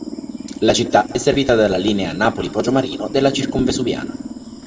La città è servita dalla linea Napoli-Poggiomarino della Circumvesuviana.